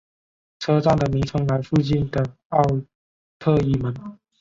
车站的名称来附近的奥特伊门。